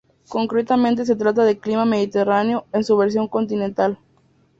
Concretamente se trata de clima mediterráneo en su versión continental.